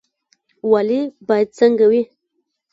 والي باید څنګه وي؟